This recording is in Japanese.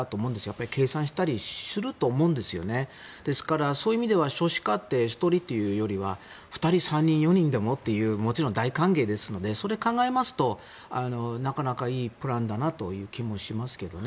やっぱり計算したりすると思うんですよねですからそういう意味では少子化って、１人よりは２人、３人、４人でもっていうもちろん大歓迎ですのでそれを考えますとなかなかいいプランだなという気もしますけどね。